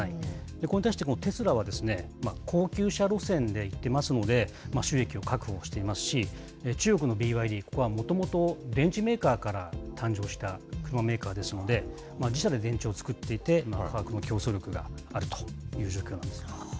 これに対して、テスラは高級車路線でいってますので、収益を確保していますし、中国のＢＹＤ、ここはもともと電池メーカーから誕生したメーカーですので、自社で電池を作っていて、価格の競争力があるという形です。